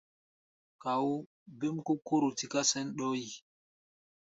Káu̧u̧, bêm kó Kóró tiká sɛ̌n ɗɔɔ́ yi.